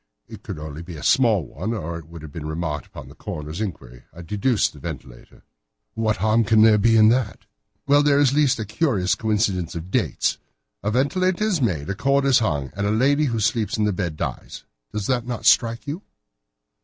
It could only be a small one, or it would have been remarked upon at the coroner's inquiry. I deduced a ventilator." "But what harm can there be in that?" "Well, there is at least a curious coincidence of dates. A ventilator is made, a cord is hung, and a lady who sleeps in the bed dies. Does not that strike you?"